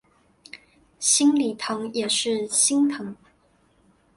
心里也是心疼